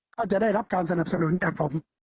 ก็จะได้รับการสนับสนุนจากผม